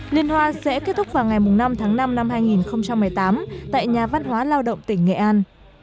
liên hoan sẽ kết thúc vào ngày năm tháng năm năm hai nghìn một mươi tám tại nhà văn hóa lao động tỉnh nghệ an